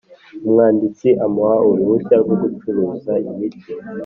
Umwanditsi amuha uruhushya rwo gucuruza imiti